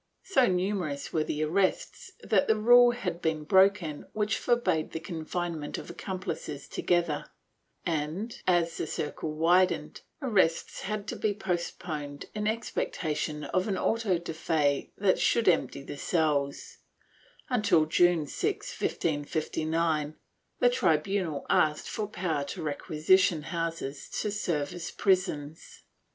So numerous were the arrests that the rule had to be broken which forbade the confinement of accomplices together and, as the circle widened, arrests had to be postponed in expectation of an auto de fe that should empty the cells until, on June 6, 1559, the tribunal asked for power to requisition houses to serve as prisons.